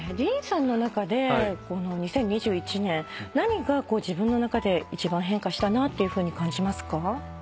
ＤＥＡＮさんの中でこの２０２１年何が自分の中で一番変化したなって感じますか？